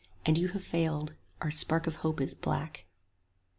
And you have failed: our spark of hope is black.